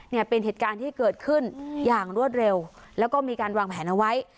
เนี่ยเป็นเหตุการณ์ที่เกิดขึ้นอย่างรวดเร็วแล้วก็มีการวางแผนเอาไว้